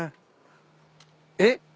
えっ？